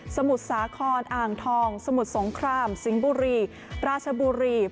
สมุดสาคอนอ่างทองสมุดสงครามสิงบุรีราชบุรี